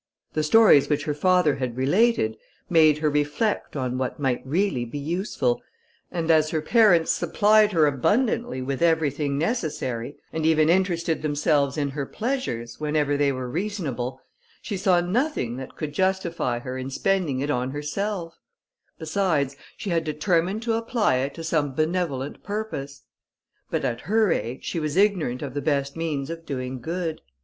The stories which her father had related, made her reflect on what might really be useful, and as her parents supplied her abundantly with everything necessary, and even interested themselves in her pleasures, whenever they were reasonable, she saw nothing that could justify her in spending it on herself; besides, she had determined to apply it to some benevolent purpose. But, at her age, she was ignorant of the best means of doing good.